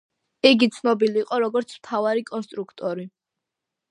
იგი ცნობილი იყო როგორც „მთავარი კონსტრუქტორი“.